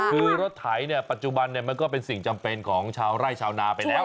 คือรถไถเนี่ยปัจจุบันมันก็เป็นสิ่งจำเป็นของชาวไร่ชาวนาไปแล้ว